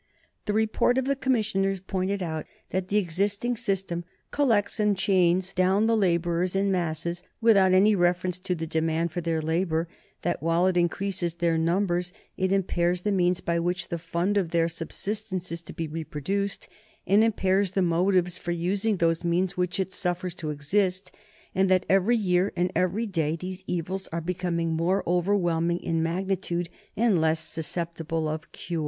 The report of the commissioners pointed out that the existing system "collects and chains down the laborers in masses, without any reference to the demand for their labor; that, while it increases their numbers, it impairs the means by which the fund for their subsistence is to be reproduced, and impairs the motives for using those means which it suffers to exist; and that every year and every day these evils are becoming more overwhelming in magnitude and less susceptible of cure."